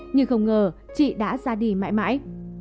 nhưng không ngờ chị đã ra đi mãi mãi